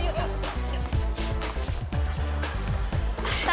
yuk yuk yuk